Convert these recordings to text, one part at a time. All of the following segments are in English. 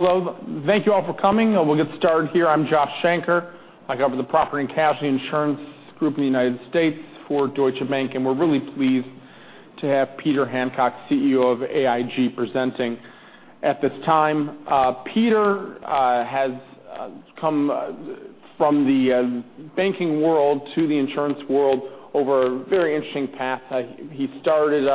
Hello. Thank you all for coming. We'll get started here. I'm Joshua Shanker. I cover the property and casualty insurance group in the U.S. for Deutsche Bank, and we're really pleased to have Peter Hancock, CEO of AIG, presenting at this time. Peter has come from the banking world to the insurance world over a very interesting path. He started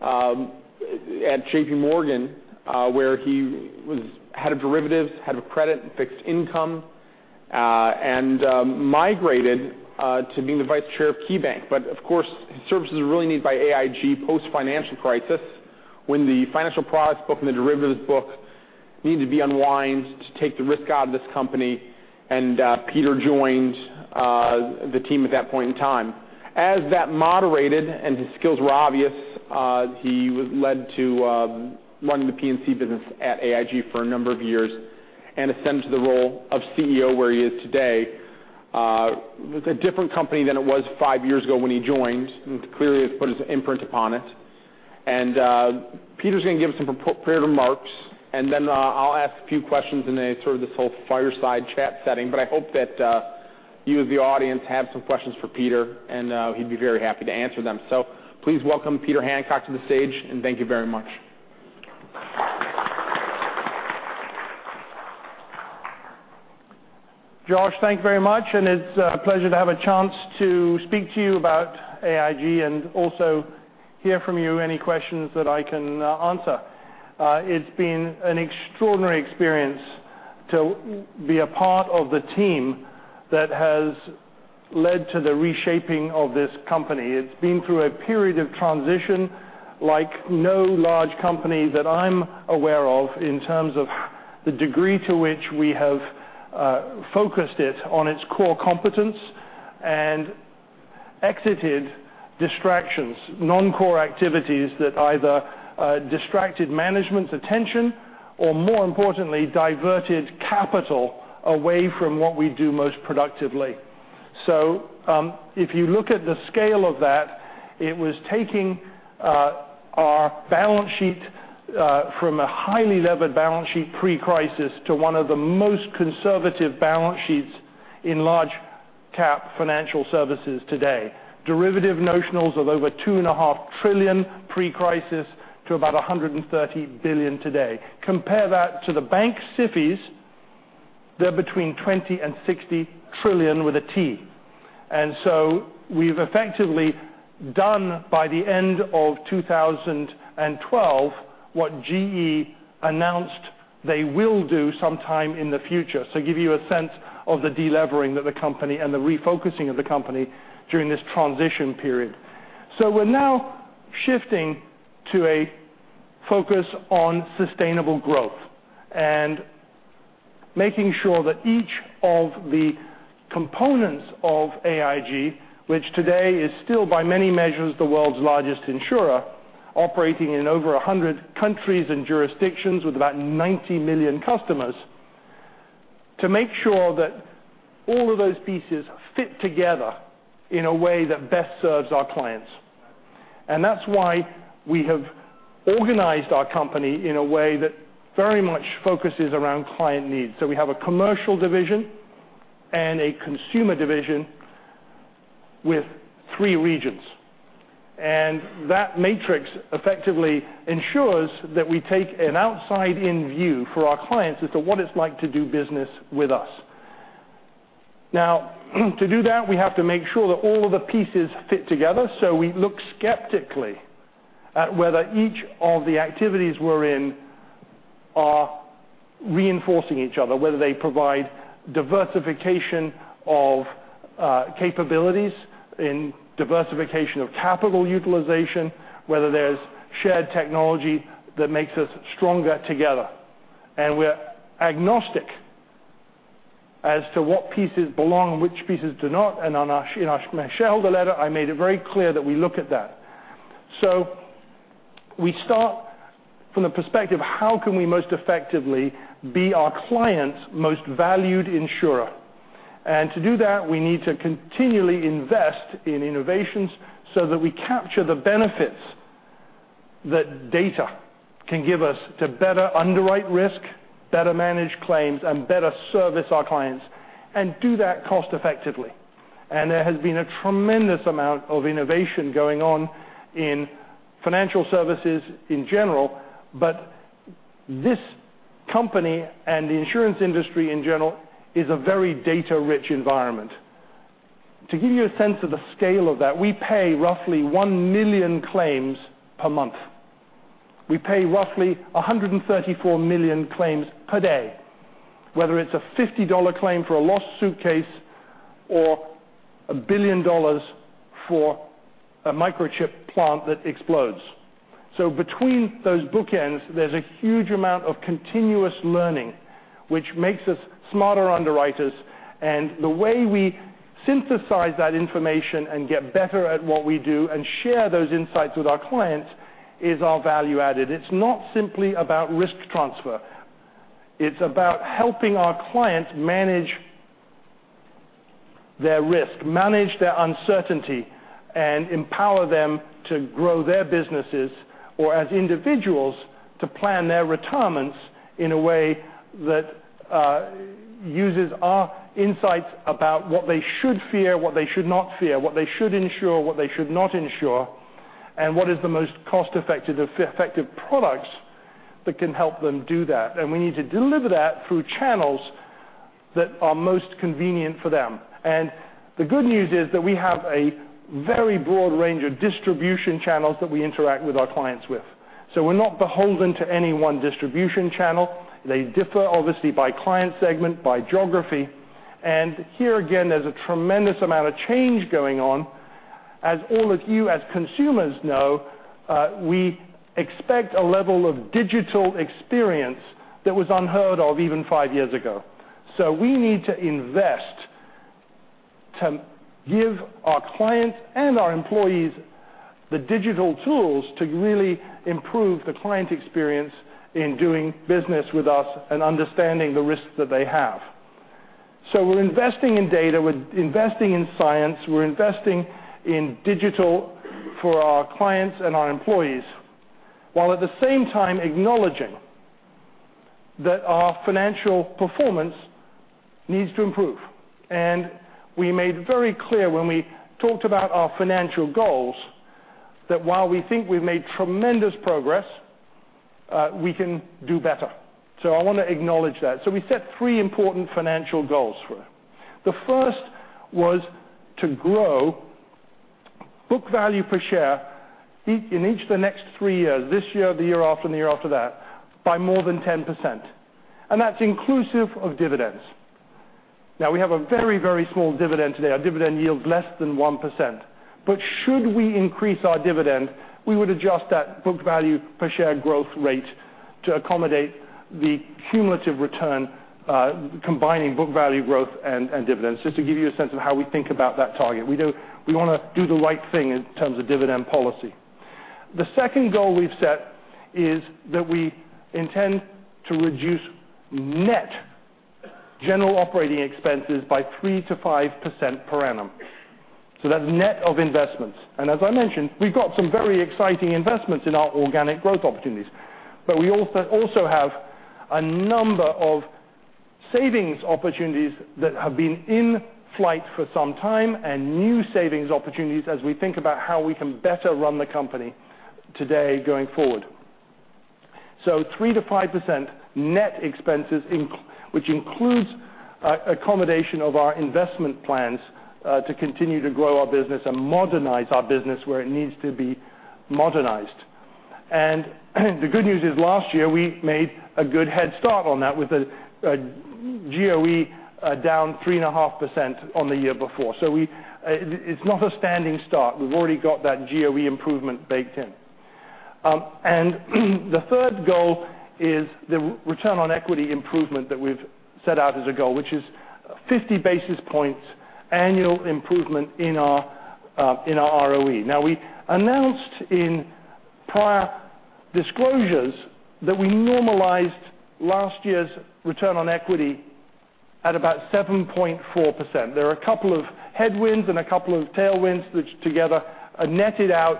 at J.P. Morgan, where he was head of derivatives, head of credit and fixed income, and migrated to being the Vice Chair of KeyBank. Of course, his services were really needed by AIG post-financial crisis, when the financial products book and the derivatives book needed to be unwind to take the risk out of this company. Peter joined the team at that point in time. As that moderated, and his skills were obvious, he led to running the P&C business at AIG for a number of years and ascended to the role of CEO, where he is today. It's a different company than it was five years ago when he joined. Clearly, he's put his imprint upon it. Peter's going to give some prepared remarks, and then I'll ask a few questions in this sort of this whole fireside chat setting. I hope that you, the audience, have some questions for Peter, and he'd be very happy to answer them. Please welcome Peter Hancock to the stage, and thank you very much. Josh, thank you very much, and it's a pleasure to have a chance to speak to you about AIG and also hear from you any questions that I can answer. It's been an extraordinary experience to be a part of the team that has led to the reshaping of this company. It's been through a period of transition like no large company that I'm aware of in terms of the degree to which we have focused it on its core competence and exited distractions, non-core activities that either distracted management's attention or, more importantly, diverted capital away from what we do most productively. If you look at the scale of that, it was taking our balance sheet from a highly levered balance sheet pre-crisis to one of the most conservative balance sheets in large cap financial services today. Derivative notionals of over two and a half trillion pre-crisis to about $130 billion today. Compare that to the bank SIFIs, they're between $20 trillion and $60 trillion, with a T. We've effectively done by the end of 2012 what GE announced they will do sometime in the future. Give you a sense of the de-levering of the company and the refocusing of the company during this transition period. We're now shifting to a focus on sustainable growth and making sure that each of the components of AIG, which today is still by many measures the world's largest insurer, operating in over 100 countries and jurisdictions with about 90 million customers. To make sure that all of those pieces fit together in a way that best serves our clients. That's why we have organized our company in a way that very much focuses around client needs. We have a commercial division and a consumer division with three regions. That matrix effectively ensures that we take an outside-in view for our clients as to what it's like to do business with us. To do that, we have to make sure that all of the pieces fit together. We look skeptically at whether each of the activities we're in are reinforcing each other, whether they provide diversification of capabilities and diversification of capital utilization, whether there's shared technology that makes us stronger together. We're agnostic as to what pieces belong and which pieces do not. In our shareholder letter, I made it very clear that we look at that. We start from the perspective, how can we most effectively be our clients' most valued insurer? To do that, we need to continually invest in innovations so that we capture the benefits that data can give us to better underwrite risk, better manage claims, and better service our clients, and do that cost effectively. There has been a tremendous amount of innovation going on in financial services in general, but this company and the insurance industry in general is a very data-rich environment. To give you a sense of the scale of that, we pay roughly 1 million claims per month. We pay roughly 134 million claims per day, whether it's a $50 claim for a lost suitcase or $1 billion for a microchip plant that explodes. Between those bookends, there's a huge amount of continuous learning, which makes us smarter underwriters. The way we synthesize that information and get better at what we do and share those insights with our clients is our value added. It's not simply about risk transfer. It's about helping our clients manage their risk, manage their uncertainty, and empower them to grow their businesses, or as individuals, to plan their retirements in a way that uses our insights about what they should fear, what they should not fear, what they should insure, what they should not insure, and what is the most cost-effective products that can help them do that. We need to deliver that through channels that are most convenient for them. The good news is that we have a very broad range of distribution channels that we interact with our clients with. We're not beholden to any one distribution channel. They differ obviously by client segment, by geography. Here again, there's a tremendous amount of change going on. As all of you as consumers know, we expect a level of digital experience that was unheard of even five years ago. We need to invest to give our clients and our employees the digital tools to really improve the client experience in doing business with us and understanding the risks that they have. We're investing in data, we're investing in science, we're investing in digital for our clients and our employees, while at the same time acknowledging that our financial performance needs to improve. We made very clear when we talked about our financial goals, that while we think we've made tremendous progress, we can do better. I want to acknowledge that. We set three important financial goals for it. The first was to grow book value per share in each of the next 3 years, this year, the year after, and the year after that, by more than 10%. That's inclusive of dividends. We have a very, very small dividend today. Our dividend yield's less than 1%. Should we increase our dividend, we would adjust that book value per share growth rate to accommodate the cumulative return, combining book value growth and dividends. Just to give you a sense of how we think about that target. We want to do the right thing in terms of dividend policy. The second goal we've set is that we intend to reduce net general operating expenses by 3%-5% per annum. That's net of investments. As I mentioned, we've got some very exciting investments in our organic growth opportunities. We also have a number of savings opportunities that have been in flight for some time and new savings opportunities as we think about how we can better run the company today going forward. 3%-5% net expenses, which includes accommodation of our investment plans, to continue to grow our business and modernize our business where it needs to be modernized. The good news is last year, we made a good head start on that with a GOE down 3.5% on the year before. It's not a standing start. We've already got that GOE improvement baked in. The third goal is the return on equity improvement that we've set out as a goal, which is 50 basis points annual improvement in our ROE. We announced in prior disclosures that we normalized last year's return on equity at about 7.4%. There are a couple of headwinds and a couple of tailwinds, which together netted out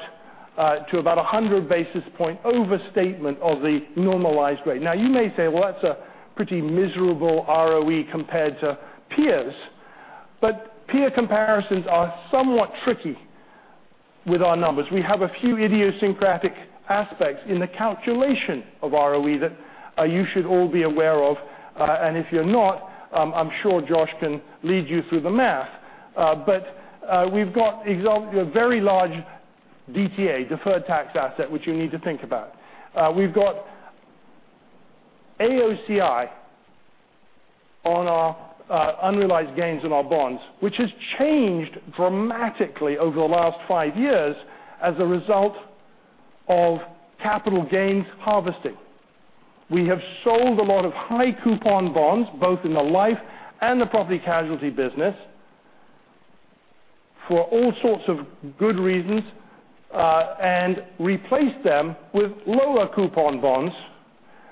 to about 100 basis points overstatement of the normalized rate. You may say, "Well, that's a pretty miserable ROE compared to peers." Peer comparisons are somewhat tricky with our numbers. We have a few idiosyncratic aspects in the calculation of ROE that you should all be aware of. If you're not, I'm sure Josh can lead you through the math. We've got a very large DTA, deferred tax asset, which you need to think about. We've got AOCI on our unrealized gains in our bonds, which has changed dramatically over the last 5 years as a result of capital gains harvesting. We have sold a lot of high coupon bonds, both in the life and the property casualty business, for all sorts of good reasons, and replaced them with lower coupon bonds,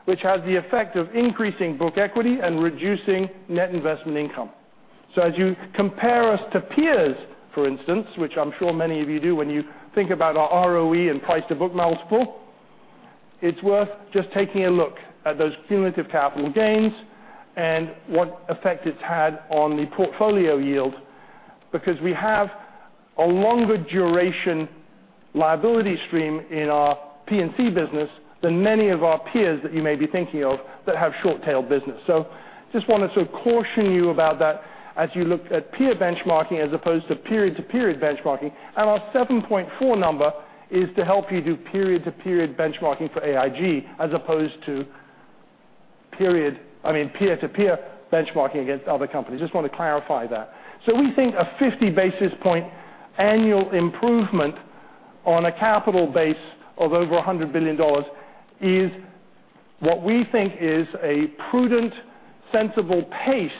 which has the effect of increasing book equity and reducing net investment income. As you compare us to peers, for instance, which I'm sure many of you do when you think about our ROE and price to book multiple, it's worth just taking a look at those cumulative capital gains and what effect it's had on the portfolio yield, because we have a longer duration liability stream in our P&C business than many of our peers that you may be thinking of that have short-tail business. Just wanted to caution you about that as you look at peer benchmarking as opposed to period-to-period benchmarking. Our 7.4 number is to help you do period-to-period benchmarking for AIG as opposed to peer-to-peer benchmarking against other companies. Just want to clarify that. We think a 50 basis point annual improvement on a capital base of over $100 billion is what we think is a prudent, sensible pace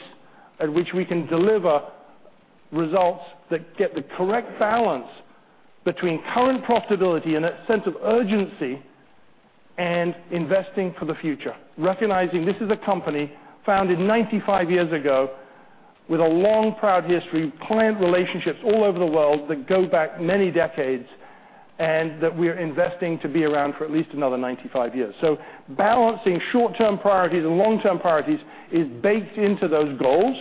at which we can deliver results that get the correct balance between current profitability and a sense of urgency. Investing for the future. Recognizing this is a company founded 95 years ago with a long, proud history, client relationships all over the world that go back many decades, and that we're investing to be around for at least another 95 years. Balancing short-term priorities and long-term priorities is baked into those goals,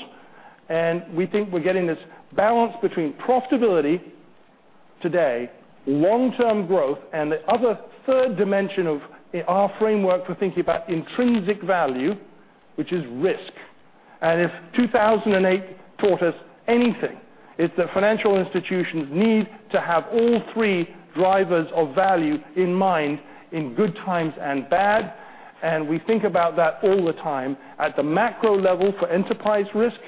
and we think we're getting this balance between profitability today, long-term growth, and the other third dimension of our framework for thinking about intrinsic value, which is risk. If 2008 taught us anything, it's that financial institutions need to have all three drivers of value in mind in good times and bad. We think about that all the time at the macro level for enterprise risk,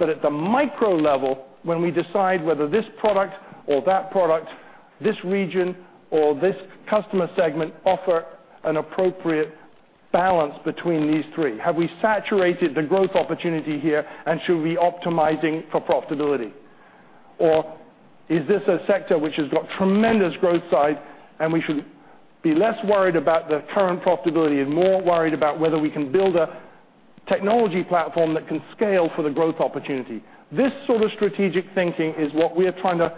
but at the micro level, when we decide whether this product or that product, this region or this customer segment offer an appropriate balance between these three. Have we saturated the growth opportunity here, and should we optimizing for profitability? Is this a sector which has got tremendous growth side and we should be less worried about the current profitability and more worried about whether we can build a technology platform that can scale for the growth opportunity? This sort of strategic thinking is what we are trying to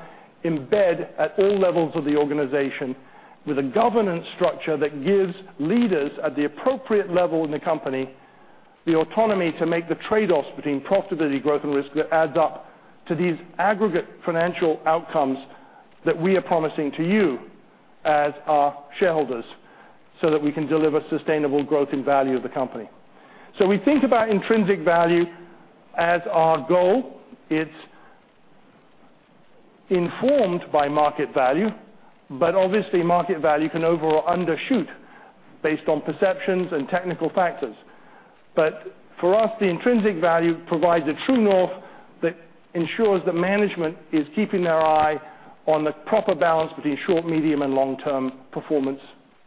embed at all levels of the organization with a governance structure that gives leaders at the appropriate level in the company the autonomy to make the trade-offs between profitability, growth, and risk that adds up to these aggregate financial outcomes that we are promising to you as our shareholders so that we can deliver sustainable growth and value of the company. We think about intrinsic value as our goal. It's informed by market value, but obviously, market value can over or undershoot based on perceptions and technical factors. For us, the intrinsic value provides a true north that ensures that management is keeping their eye on the proper balance between short, medium, and long-term performance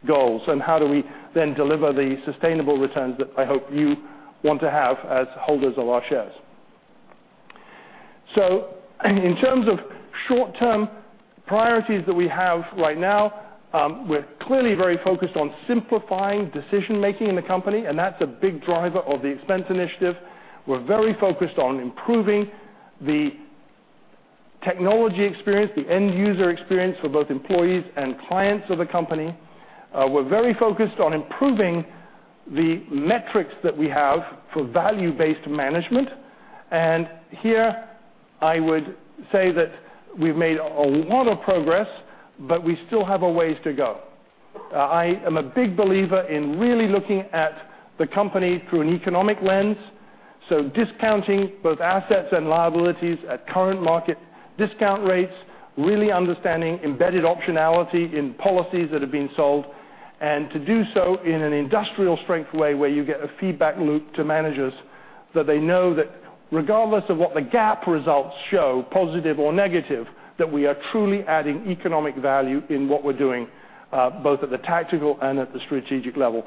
goals. How do we then deliver the sustainable returns that I hope you want to have as holders of our shares? In terms of short-term priorities that we have right now, we're clearly very focused on simplifying decision-making in the company, and that's a big driver of the expense initiative. We're very focused on improving the technology experience, the end-user experience for both employees and clients of the company. We're very focused on improving the metrics that we have for value-based management. Here, I would say that we've made a lot of progress, but we still have a ways to go. I am a big believer in really looking at the company through an economic lens. Discounting both assets and liabilities at current market discount rates, really understanding embedded optionality in policies that have been sold, and to do so in an industrial-strength way where you get a feedback loop to managers that they know that regardless of what the GAAP results show, positive or negative, that we are truly adding economic value in what we're doing, both at the tactical and at the strategic level.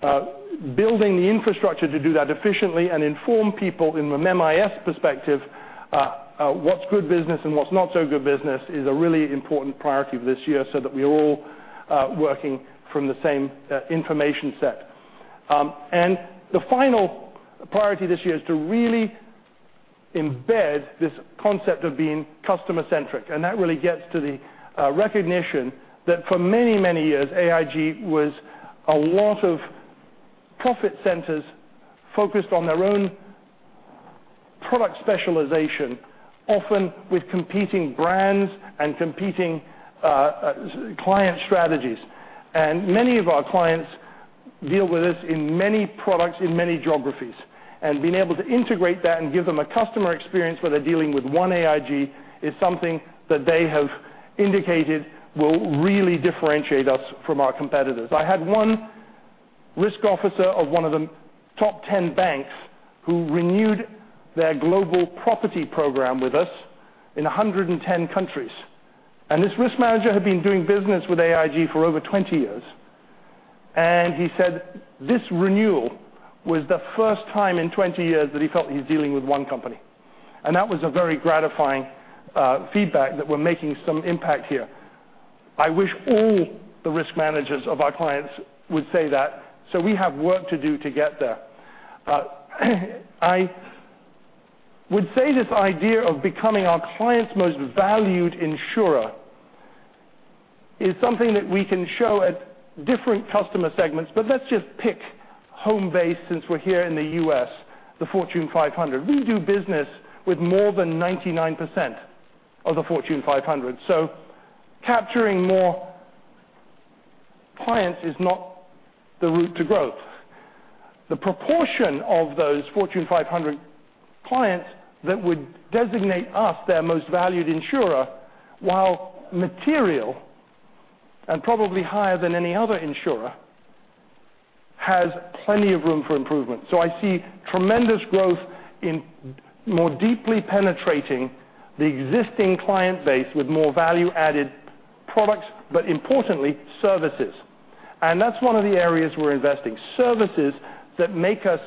Building the infrastructure to do that efficiently and inform people in the MIS perspective, what's good business and what's not so good business is a really important priority this year so that we're all working from the same information set. The final priority this year is to really embed this concept of being customer-centric. That really gets to the recognition that for many, many years, AIG was a lot of profit centers focused on their own product specialization, often with competing brands and competing client strategies. Many of our clients deal with us in many products, in many geographies. Being able to integrate that and give them a customer experience where they're dealing with one AIG is something that they have indicated will really differentiate us from our competitors. I had one risk officer of one of the top 10 banks who renewed their global property program with us in 110 countries. This risk manager had been doing business with AIG for over 20 years. He said this renewal was the first time in 20 years that he felt he's dealing with one company. That was a very gratifying feedback that we're making some impact here. I wish all the risk managers of our clients would say that, so we have work to do to get there. I would say this idea of becoming our client's most valued insurer is something that we can show at different customer segments. Let's just pick home base since we're here in the U.S., the Fortune 500. We do business with more than 99% of the Fortune 500. Capturing more clients is not the route to growth. The proportion of those Fortune 500 clients that would designate us their most valued insurer, while material and probably higher than any other insurer, has plenty of room for improvement. I see tremendous growth in more deeply penetrating the existing client base with more value-added products, but importantly, services. That's one of the areas we're investing. Services that make us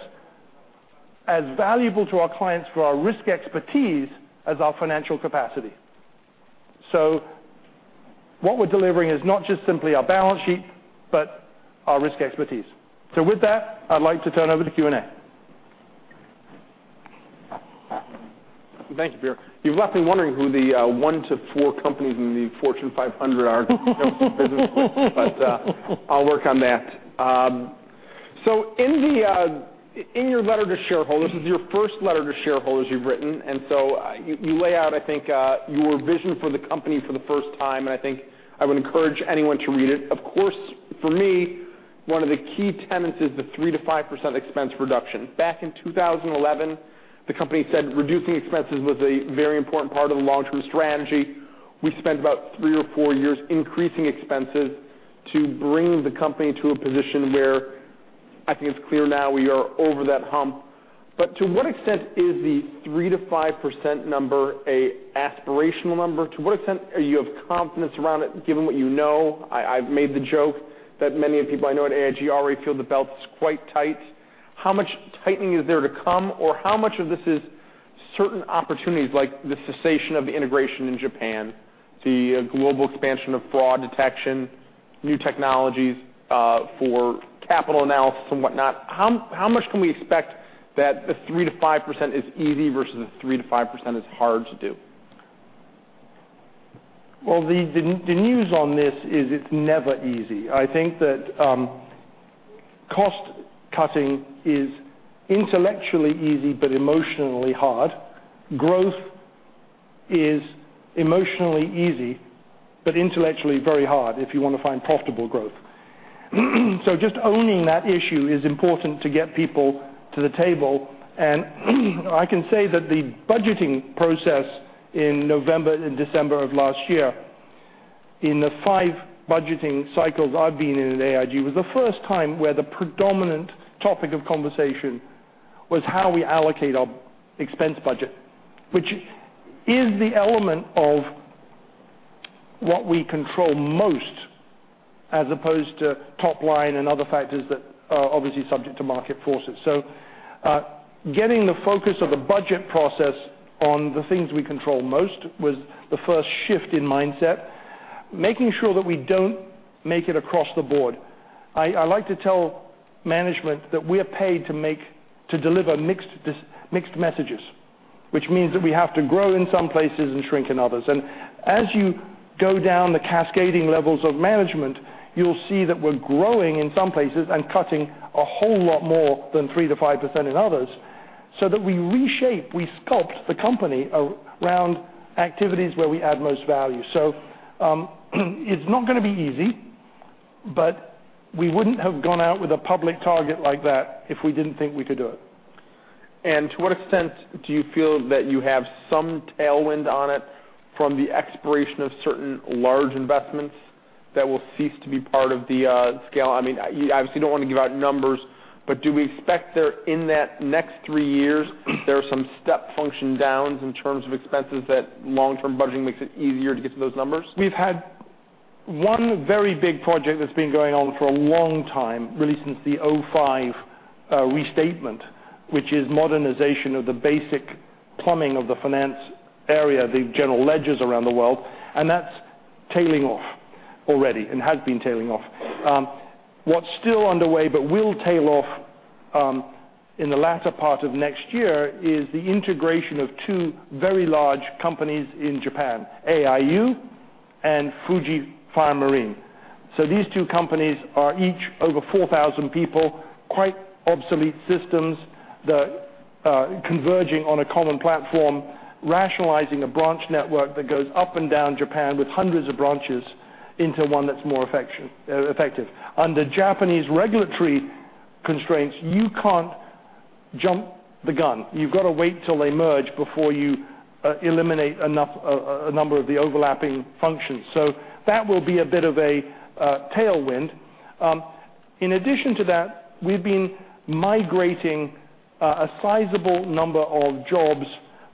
as valuable to our clients for our risk expertise as our financial capacity. What we're delivering is not just simply our balance sheet, but our risk expertise. With that, I'd like to turn over to Q&A. Thank you, Peter. You've left me wondering who the one to four companies in the Fortune 500 are in business, I'll work on that. In your letter to shareholders, this is your first letter to shareholders you've written, you lay out, I think, your vision for the company for the first time, I think I would encourage anyone to read it. Of course, for me, one of the key tenets is the 3%-5% expense reduction. Back in 2011, the company said reducing expenses was a very important part of the long-term strategy. We spent about three or four years increasing expenses to bring the company to a position where I think it's clear now we are over that hump. To what extent is the 3%-5% number an aspirational number? To what extent you have confidence around it, given what you know? I've made the joke that many of the people I know at AIG already feel the belt is quite tight. How much tightening is there to come, or how much of this is certain opportunities, like the cessation of the integration in Japan, the global expansion of fraud detection, new technologies for capital analysis and whatnot? How much can we expect that the 3%-5% is easy versus the 3%-5% is hard to do? The news on this is it's never easy. I think that cost cutting is intellectually easy but emotionally hard. Growth is emotionally easy but intellectually very hard if you want to find profitable growth. Just owning that issue is important to get people to the table. I can say that the budgeting process in November and December of last year, in the five budgeting cycles I've been in at AIG, was the first time where the predominant topic of conversation was how we allocate our expense budget. Which is the element of what we control most as opposed to top line and other factors that are obviously subject to market forces. Getting the focus of the budget process on the things we control most was the first shift in mindset. Making sure that we don't make it across the board. I like to tell management that we are paid to deliver mixed messages, which means that we have to grow in some places and shrink in others. As you go down the cascading levels of management, you'll see that we're growing in some places and cutting a whole lot more than 3%-5% in others, so that we reshape, we sculpt the company around activities where we add the most value. It's not going to be easy, we wouldn't have gone out with a public target like that if we didn't think we could do it. To what extent do you feel that you have some tailwind on it from the expiration of certain large investments that will cease to be part of the scale? You obviously don't want to give out numbers, but do we expect that in that next 3 years, there are some step function downs in terms of expenses that long-term budgeting makes it easier to get to those numbers? We've had one very big project that's been going on for a long time, really since the 2005 restatement, which is modernization of the basic plumbing of the finance area, the general ledgers around the world, and that's tailing off already and has been tailing off. What's still underway but will tail off in the latter part of next year is the integration of two very large companies in Japan, AIU and Fuji Fire Marine. These two companies are each over 4,000 people, quite obsolete systems, converging on a common platform, rationalizing a branch network that goes up and down Japan with hundreds of branches into one that's more effective. Under Japanese regulatory constraints, you can't jump the gun. You've got to wait till they merge before you eliminate a number of the overlapping functions. That will be a bit of a tailwind. In addition to that, we've been migrating a sizable number of jobs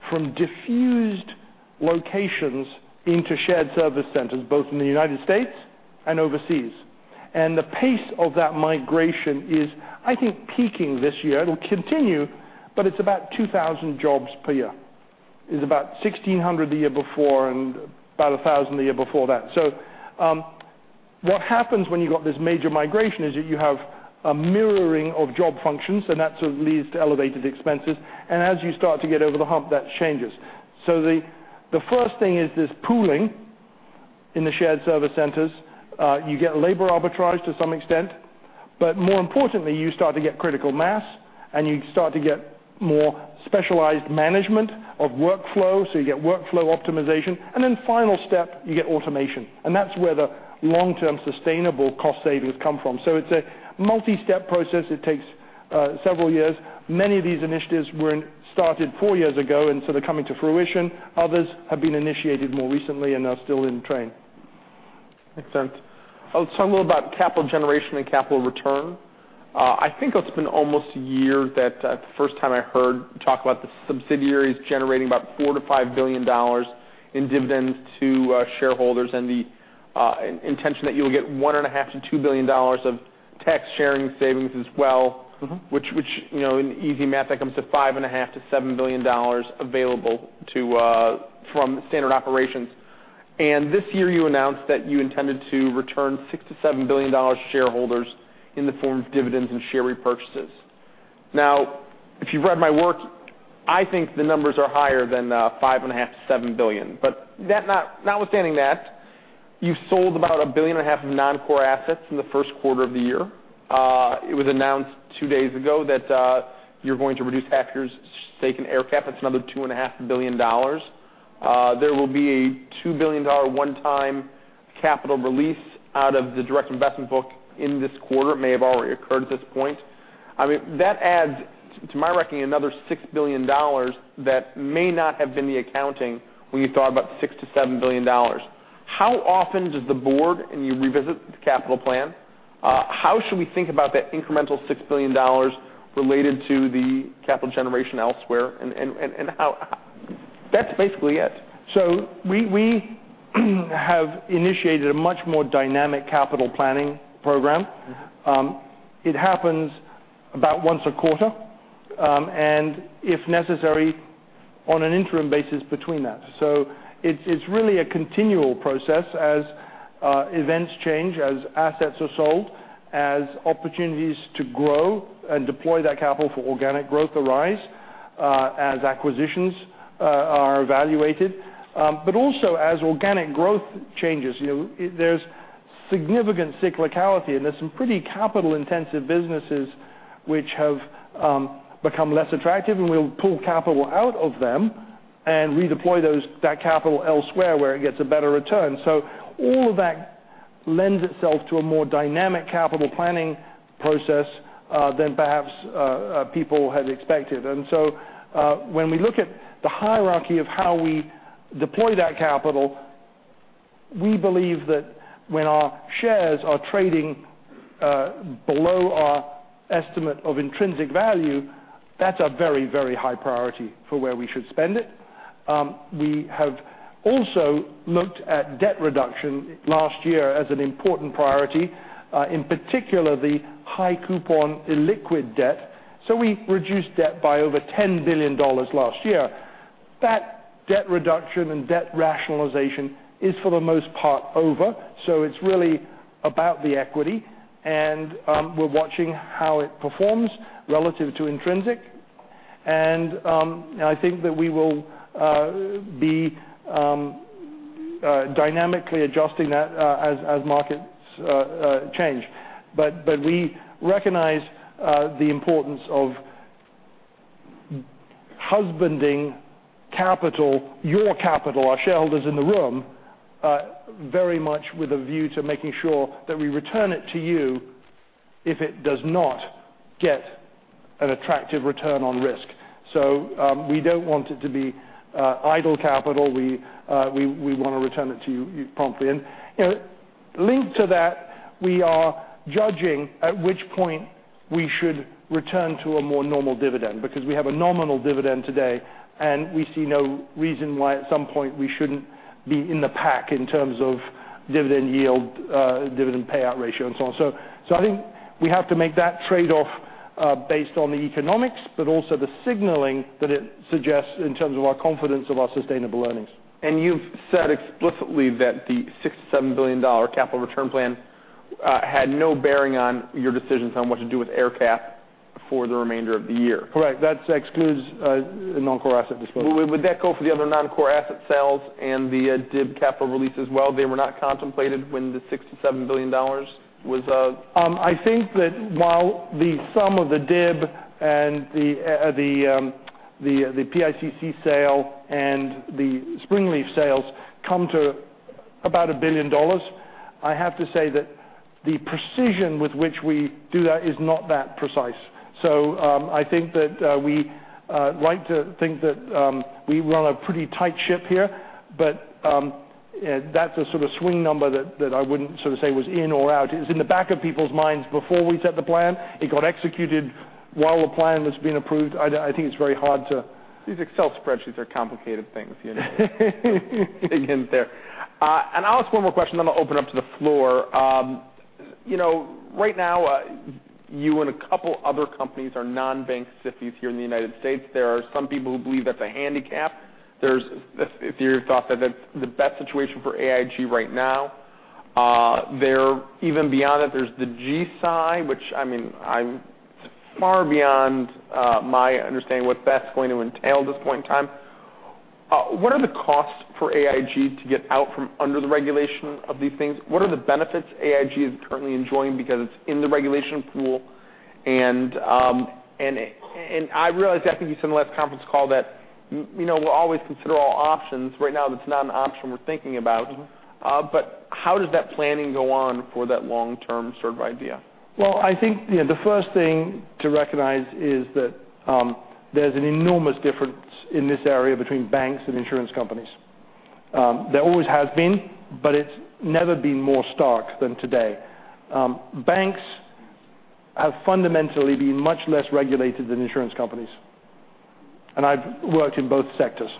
from diffused locations into shared service centers, both in the U.S. and overseas. The pace of that migration is, I think, peaking this year. It'll continue, but it's about 2,000 jobs per year. It's about 1,600 the year before and about 1,000 the year before that. What happens when you've got this major migration is that you have a mirroring of job functions, and that sort of leads to elevated expenses. As you start to get over the hump, that changes. The first thing is this pooling in the shared service centers. You get labor arbitrage to some extent. More importantly, you start to get critical mass, and you start to get more specialized management of workflow, so you get workflow optimization. Then the final step, you get automation. That's where the long-term sustainable cost savings come from. It's a multi-step process. It takes several years. Many of these initiatives were started four years ago, and so they're coming to fruition. Others have been initiated more recently and are still in train. Makes sense. Tell me about capital generation and capital return. I think it's been almost a year that the first time I heard you talk about the subsidiaries generating about $4 billion-$5 billion in dividends to shareholders and the intention that you'll get $1.5 billion-$2 billion of tax-sharing savings as well. In easy math, that comes to $5.5 billion-$7 billion available from standard operations. This year you announced that you intended to return $6 billion-$7 billion to shareholders in the form of dividends and share repurchases. If you've read my work, I think the numbers are higher than $5.5 billion-$7 billion. Notwithstanding that, you sold about a billion and a half of non-core assets in the first quarter of the year. It was announced two days ago that you're going to reduce ILFC's stake in AerCap. That's another $2.5 billion. There will be a $2 billion one-time capital release out of the direct investment book in this quarter. It may have already occurred at this point. That adds, to my reckoning, another $6 billion that may not have been the accounting when you thought about $6 billion-$7 billion. How often does the board and you revisit the capital plan? How should we think about that incremental $6 billion related to the capital generation elsewhere, and That's basically it. We have initiated a much more dynamic capital planning program. It happens about once a quarter, and if necessary, on an interim basis between that. It's really a continual process as events change, as assets are sold, as opportunities to grow and deploy that capital for organic growth arise, as acquisitions are evaluated. Also as organic growth changes. There's significant cyclicality, and there's some pretty capital-intensive businesses which have become less attractive, and we'll pull capital out of them and redeploy that capital elsewhere, where it gets a better return. All of that lends itself to a more dynamic capital planning process than perhaps people had expected. When we look at the hierarchy of how we deploy that capital, we believe that when our shares are trading below our estimate of intrinsic value, that's a very high priority for where we should spend it. We have also looked at debt reduction last year as an important priority, in particular the high coupon illiquid debt. We reduced debt by over $10 billion last year. That debt reduction and debt rationalization is, for the most part, over. It's really about the equity, and we're watching how it performs relative to intrinsic. I think that we will be dynamically adjusting that as markets change. We recognize the importance of husbanding capital, your capital, our shareholders in the room, very much with a view to making sure that we return it to you if it does not get an attractive return on risk. We don't want it to be idle capital. We want to return it to you promptly. Linked to that, we are judging at which point we should return to a more normal dividend, because we have a nominal dividend today, and we see no reason why at some point we shouldn't be in the pack in terms of dividend yield, dividend payout ratio, and so on. I think we have to make that trade-off based on the economics, but also the signaling that it suggests in terms of our confidence of our sustainable earnings. You've said explicitly that the $6 to $7 billion capital return plan had no bearing on your decisions on what to do with AerCap for the remainder of the year. Correct. That excludes non-core asset disposal. Would that go for the other non-core asset sales and the DIB capital release as well? They were not contemplated when the $6 billion to $7 billion was- I think that while the sum of the DIB and the PICC sale and the Springleaf sales come to about $1 billion, I have to say that the precision with which we do that is not that precise. I think that we like to think that we run a pretty tight ship here, but that's a sort of swing number that I wouldn't say was in or out. It was in the back of people's minds before we set the plan. It got executed while the plan was being approved. I think it's very hard to- These Excel spreadsheets are complicated things. I'll ask one more question, then I'll open up to the floor. Right now, you and a couple other companies are non-bank SIFIs here in the U.S. There are some people who believe that's a handicap. There's a theory or thought that that's the best situation for AIG right now. Even beyond that, there's the G-SII, which I mean, it's far beyond my understanding what that's going to entail at this point in time. What are the costs for AIG to get out from under the regulation of these things? What are the benefits AIG is currently enjoying because it's in the regulation pool? I realize, I think you said in the last conference call that we'll always consider all options. Right now that's not an option we're thinking about. How does that planning go on for that long term sort of idea? Well, I think the first thing to recognize is that there's an enormous difference in this area between banks and insurance companies. There always has been, but it's never been more stark than today. Banks have fundamentally been much less regulated than insurance companies. I've worked in both sectors.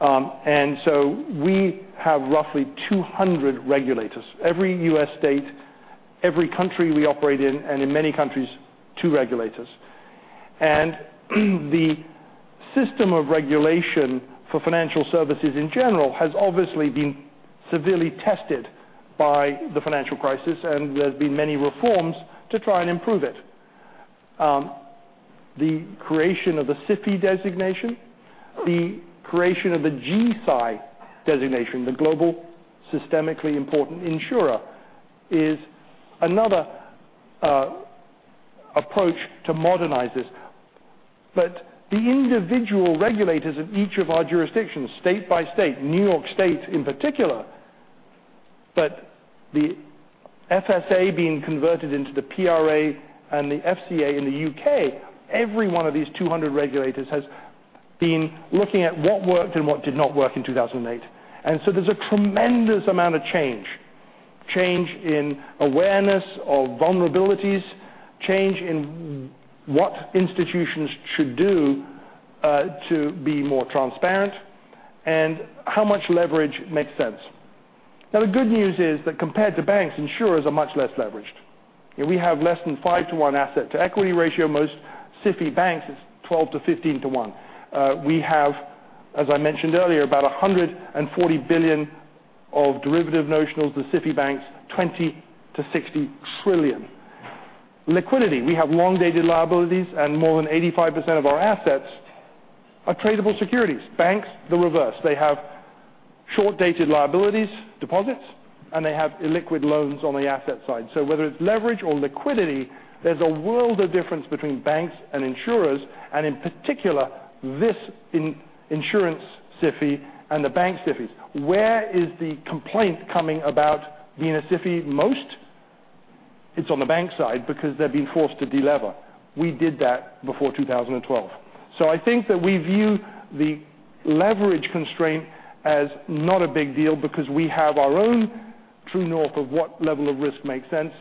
We have roughly 200 regulators. Every U.S. state, every country we operate in, and in many countries, two regulators. The system of regulation for financial services in general has obviously been severely tested by the financial crisis, and there's been many reforms to try and improve it. The creation of the SIFI designation, the creation of the G-SII designation, the Global Systemically Important Insurer, is another approach to modernize this. The individual regulators of each of our jurisdictions, state by state, New York State in particular, but the FSA being converted into the PRA and the FCA in the U.K., every one of these 200 regulators has been looking at what worked and what did not work in 2008. There's a tremendous amount of change. Change in awareness of vulnerabilities, change in what institutions should do to be more transparent, and how much leverage makes sense. Now, the good news is that compared to banks, insurers are much less leveraged. We have less than five to one asset to equity ratio. Most SIFI banks, it's 12 to 15 to one. We have, as I mentioned earlier, about $140 billion of derivative notionals to SIFI banks, $20 trillion to $60 trillion. Liquidity. We have long-dated liabilities and more than 85% of our assets are tradable securities. Banks, the reverse. They have short-dated liabilities, deposits, and they have illiquid loans on the asset side. Whether it's leverage or liquidity, there's a world of difference between banks and insurers, and in particular, this insurance SIFI and the bank SIFIs. Where is the complaint coming about being a SIFI most? It's on the bank side because they're being forced to de-lever. We did that before 2012. I think that we view the leverage constraint as not a big deal because we have our own true north of what level of risk makes sense.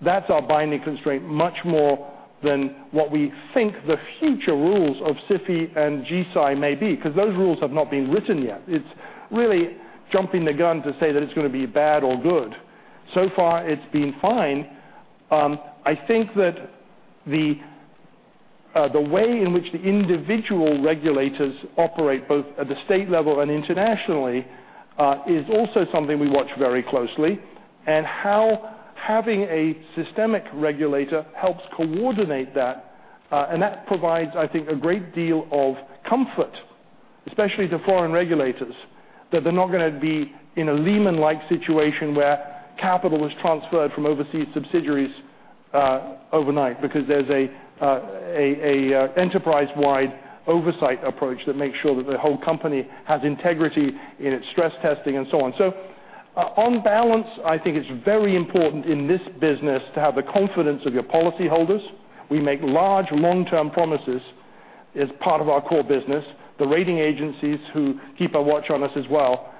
That's our binding constraint much more than what we think the future rules of SIFI and G-SII may be, because those rules have not been written yet. It's really jumping the gun to say that it's going to be bad or good. So far it's been fine. I think that the way in which the individual regulators operate, both at the state level and internationally, is also something we watch very closely, and how having a systemic regulator helps coordinate that. That provides, I think, a great deal of comfort, especially to foreign regulators, that they're not going to be in a Lehman-like situation where capital is transferred from overseas subsidiaries overnight because there's an enterprise-wide oversight approach that makes sure that the whole company has integrity in its stress testing and so on. On balance, I think it's very important in this business to have the confidence of your policyholders. We make large long-term promises as part of our core business. The rating agencies who keep a watch on us as well.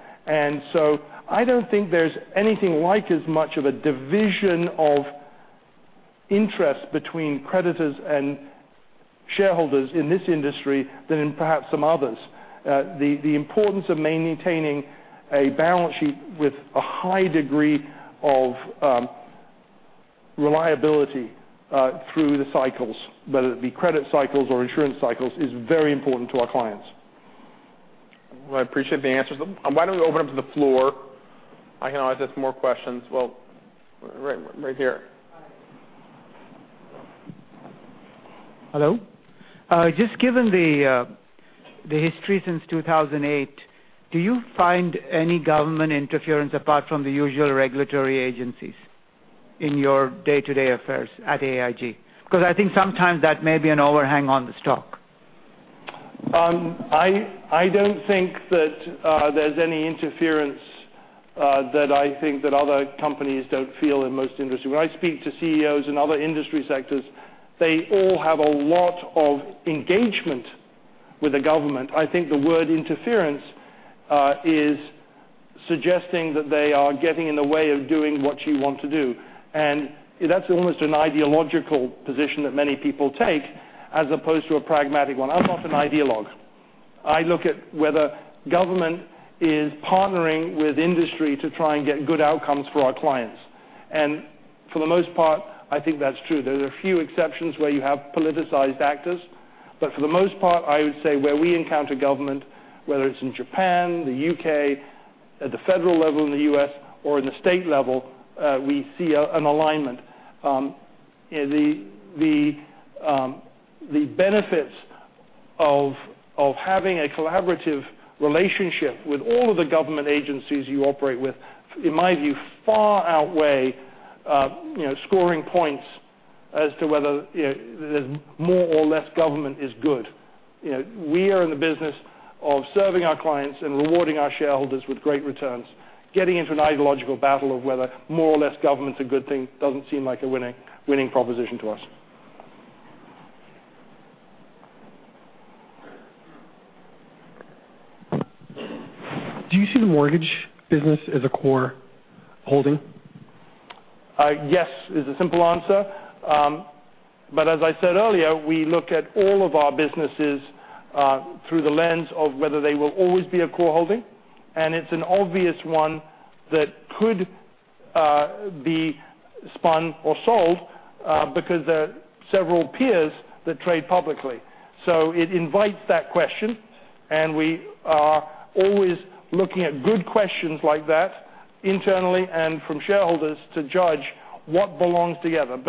I don't think there's anything like as much of a division of interest between creditors and shareholders in this industry than in perhaps some others. The importance of maintaining a balance sheet with a high degree of reliability through the cycles, whether it be credit cycles or insurance cycles, is very important to our clients. Well, I appreciate the answers. Why don't we open up to the floor? I can always ask more questions. Well, right here. Hello. Just given the history since 2008, do you find any government interference apart from the usual regulatory agencies in your day-to-day affairs at AIG? I think sometimes that may be an overhang on the stock. I don't think that there's any interference that I think that other companies don't feel in most industries. When I speak to CEOs in other industry sectors, they all have a lot of engagement with the government. I think the word interference is suggesting that they are getting in the way of doing what you want to do. That's almost an ideological position that many people take as opposed to a pragmatic one. I'm not an ideologue. I look at whether government is partnering with industry to try and get good outcomes for our clients. For the most part, I think that's true. There are a few exceptions where you have politicized actors, for the most part, I would say where we encounter government, whether it's in Japan, the U.K., at the federal level in the U.S., or in the state level, we see an alignment. The benefits of having a collaborative relationship with all of the government agencies you operate with, in my view, far outweigh scoring points as to whether more or less government is good. We are in the business of serving our clients and rewarding our shareholders with great returns. Getting into an ideological battle of whether more or less government is a good thing doesn't seem like a winning proposition to us. Do you see the mortgage business as a core holding? Yes is the simple answer. As I said earlier, we look at all of our businesses through the lens of whether they will always be a core holding, and it's an obvious one that could be spun or sold because there are several peers that trade publicly. It invites that question, and we are always looking at good questions like that internally and from shareholders to judge what belongs together.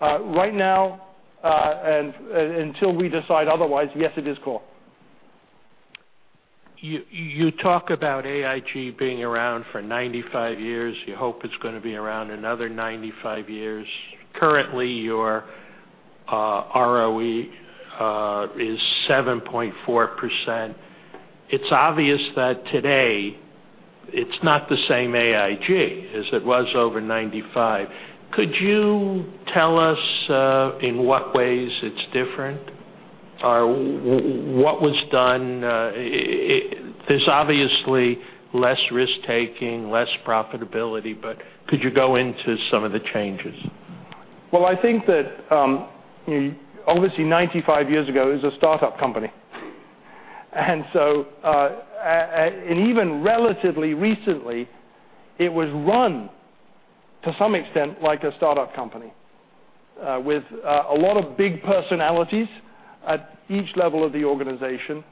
Right now, and until we decide otherwise, yes, it is core. You talk about AIG being around for 95 years. You hope it's going to be around another 95 years. Currently, your ROE is 7.4%. It's obvious that today it's not the same AIG as it was over 95. Could you tell us in what ways it's different? What was done? There's obviously less risk-taking, less profitability, but could you go into some of the changes? Well, I think that, obviously, 95 years ago, it was a startup company. Even relatively recently, it was run to some extent like a startup company with a lot of big personalities at each level of the organization,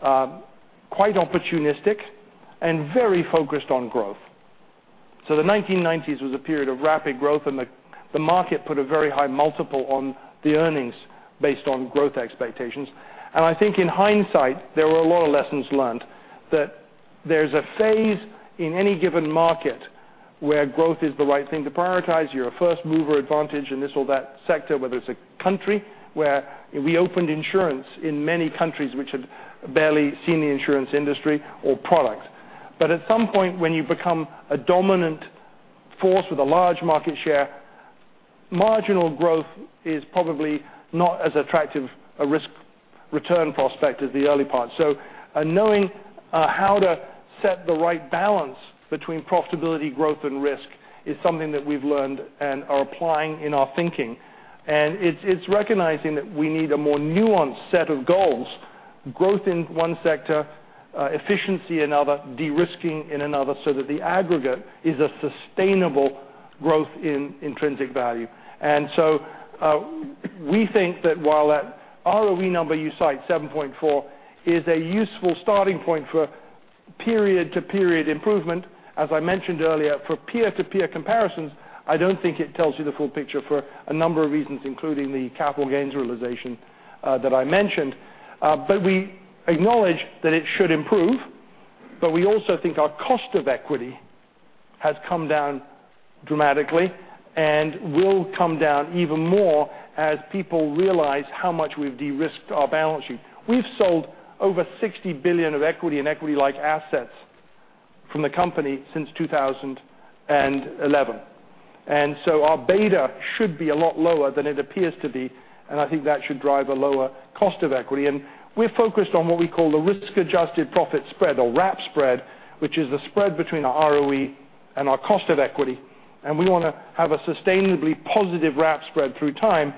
quite opportunistic, and very focused on growth. The 1990s was a period of rapid growth, and the market put a very high multiple on the earnings based on growth expectations. I think in hindsight, there were a lot of lessons learned that there's a phase in any given market where growth is the right thing to prioritize. You're a first-mover advantage in this or that sector, whether it's a country where we opened insurance in many countries which had barely seen the insurance industry or product. At some point when you become a dominant force with a large market share, marginal growth is probably not as attractive a risk-return prospect as the early part. Knowing how to set the right balance between profitability, growth, and risk is something that we've learned and are applying in our thinking. It's recognizing that we need a more nuanced set of goals, growth in one sector, efficiency in other, de-risking in another, so that the aggregate is a sustainable growth in intrinsic value. We think that while that ROE number you cite, 7.4, is a useful starting point for period-to-period improvement, as I mentioned earlier, for peer-to-peer comparisons, I don't think it tells you the full picture for a number of reasons, including the capital gains realization that I mentioned. We acknowledge that it should improve, but we also think our cost of equity has come down dramatically and will come down even more as people realize how much we've de-risked our balance sheet. We've sold over $60 billion of equity and equity-like assets from the company since 2011. Our beta should be a lot lower than it appears to be, and I think that should drive a lower cost of equity. We're focused on what we call the risk-adjusted profit spread, or RAP spread, which is the spread between our ROE and our cost of equity, and we want to have a sustainably positive RAP spread through time,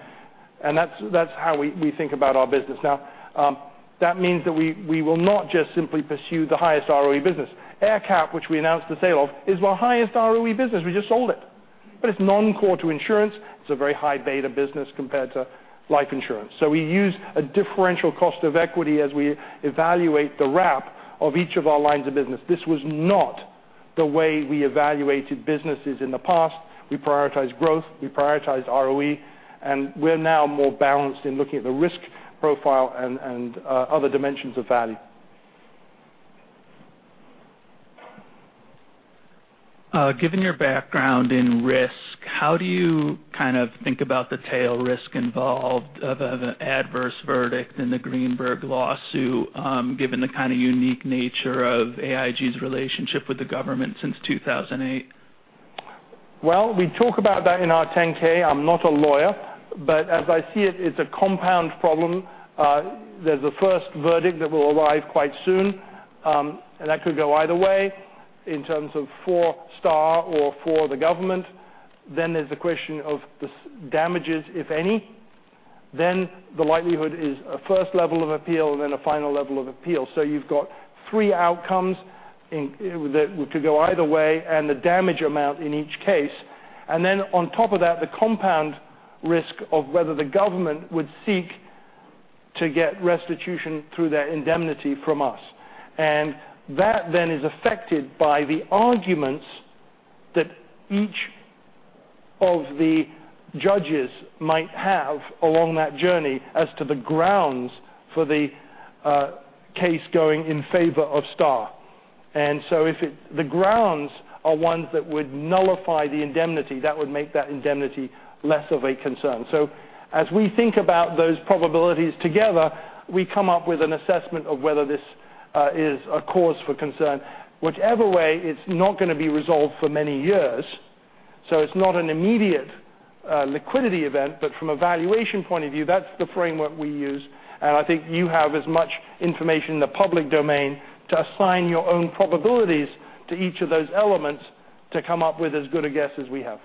and that's how we think about our business. That means that we will not just simply pursue the highest ROE business. AerCap, which we announced the sale of, is the highest ROE business. We just sold it. It's non-core to insurance. It's a very high beta business compared to life insurance. We use a differential cost of equity as we evaluate the RAP of each of our lines of business. This was not the way we evaluated businesses in the past. We prioritize growth, we prioritize ROE, and we're now more balanced in looking at the risk profile and other dimensions of value. Given your background in risk, how do you think about the tail risk involved of an adverse verdict in the Greenberg lawsuit, given the kind of unique nature of AIG's relationship with the government since 2008? We talk about that in our 10-K. I'm not a lawyer, but as I see it's a compound problem. There's a first verdict that will arrive quite soon, and that could go either way in terms of for Starr or for the government. There's the question of the damages, if any. The likelihood is a first level of appeal and a final level of appeal. You've got three outcomes that could go either way and the damage amount in each case. On top of that, the compound risk of whether the government would seek to get restitution through their indemnity from us. That is affected by the arguments that each of the judges might have along that journey as to the grounds for the case going in favor of Starr. If the grounds are ones that would nullify the indemnity, that would make that indemnity less of a concern. As we think about those probabilities together, we come up with an assessment of whether this is a cause for concern. Whichever way, it's not going to be resolved for many years. It's not an immediate liquidity event, but from a valuation point of view, that's the framework we use. I think you have as much information in the public domain to assign your own probabilities to each of those elements to come up with as good a guess as we have.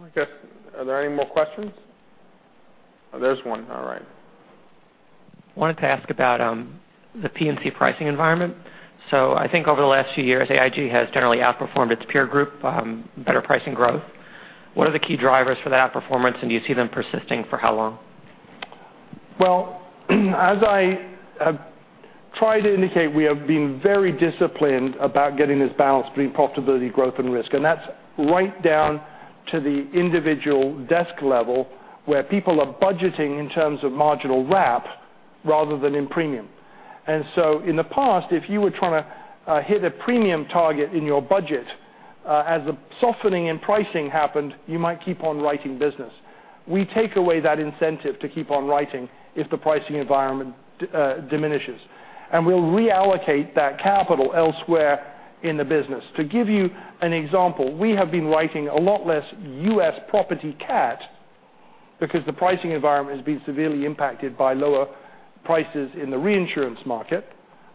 I guess, are there any more questions? There's one. All right. Wanted to ask about the P&C pricing environment. I think over the last few years, AIG has generally outperformed its peer group, better pricing growth. What are the key drivers for that performance, and do you see them persisting for how long? Well, as I have tried to indicate, we have been very disciplined about getting this balance between profitability, growth, and risk. That's right down to the individual desk level, where people are budgeting in terms of marginal RAP rather than in premium. In the past, if you were trying to hit a premium target in your budget, as the softening and pricing happened, you might keep on writing business. We take away that incentive to keep on writing if the pricing environment diminishes. We'll reallocate that capital elsewhere in the business. To give you an example, we have been writing a lot less U.S. property CAT because the pricing environment has been severely impacted by lower prices in the reinsurance market.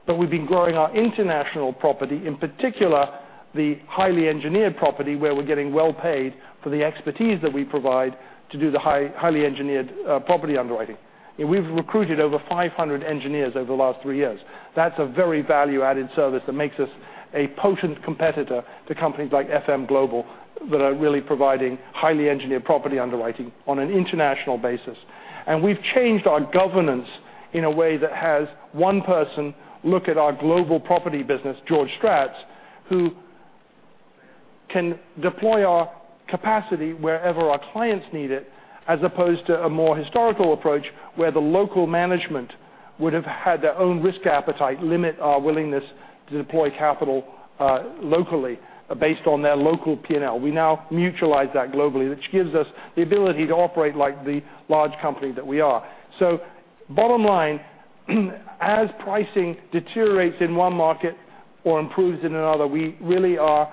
We've been growing our international property, in particular, the highly engineered property, where we're getting well paid for the expertise that we provide to do the highly engineered property underwriting. We've recruited over 500 engineers over the last three years. That's a very value-added service that makes us a potent competitor to companies like FM Global that are really providing highly engineered property underwriting on an international basis. We've changed our governance in a way that has one person look at our global property business, George Stratts, who can deploy our capacity wherever our clients need it, as opposed to a more historical approach, where the local management would have had their own risk appetite limit our willingness to deploy capital locally based on their local P&L. We now mutualize that globally, which gives us the ability to operate like the large company that we are. Bottom line, as pricing deteriorates in one market or improves in another, we really are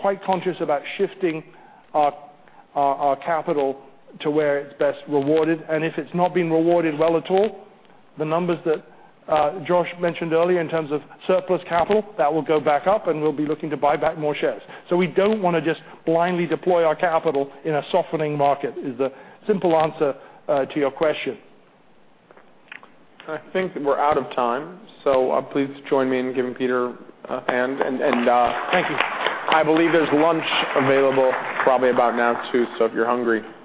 quite conscious about shifting our capital to where it's best rewarded. If it's not being rewarded well at all, the numbers that Josh mentioned earlier in terms of surplus capital, that will go back up, and we'll be looking to buy back more shares. We don't want to just blindly deploy our capital in a softening market, is the simple answer to your question. I think we're out of time, please join me in giving Peter a hand. Thank you. I believe there's lunch available probably about now, too.